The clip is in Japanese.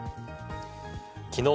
きのう